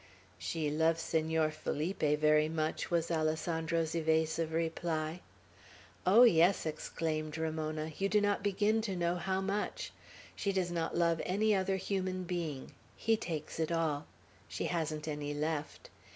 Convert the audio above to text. "She loves Senor Felipe very much," was Alessandro's evasive reply. "Oh, yes," exclaimed Ramona. "You do not begin to know how much. She does not love any other human being. He takes it all. She hasn't any left.